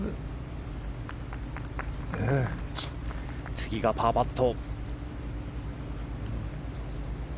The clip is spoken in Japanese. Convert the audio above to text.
次がパーパット。